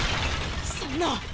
そんな⁉